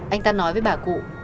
anh ta nói với bà cụ